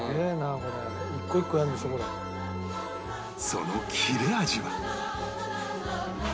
その切れ味は